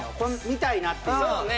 見たいなっていうそうね